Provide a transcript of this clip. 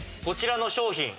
こちらの商品